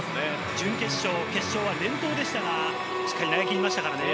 準決勝と決勝は連投でしたが、しっかり投げきりました。